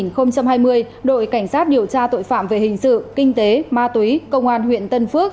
năm hai nghìn hai mươi đội cảnh sát điều tra tội phạm về hình sự kinh tế ma túy công an huyện tân phước